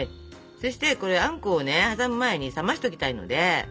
そしてこれあんこをね挟む前に冷ましときたいので。